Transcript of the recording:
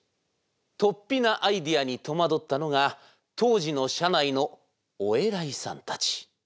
とっぴなアイデアに戸惑ったのが当時の社内のお偉いさんたち。